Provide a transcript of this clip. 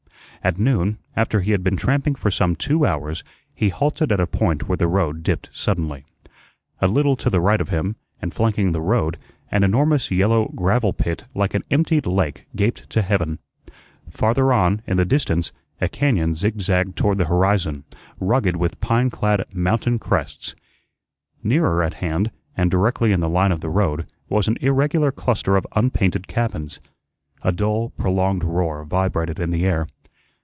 At noon, after he had been tramping for some two hours, he halted at a point where the road dipped suddenly. A little to the right of him, and flanking the road, an enormous yellow gravel pit like an emptied lake gaped to heaven. Farther on, in the distance, a cañón zigzagged toward the horizon, rugged with pine clad mountain crests. Nearer at hand, and directly in the line of the road, was an irregular cluster of unpainted cabins. A dull, prolonged roar vibrated in the air.